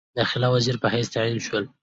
داخله وزیر په حیث تعین شول.